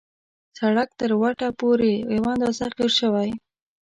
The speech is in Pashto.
سړک تر وټه پورې یو اندازه قیر شوی.